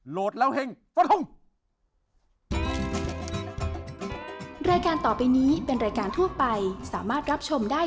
โหลดแล้วเฮ่งสวัสดีครับ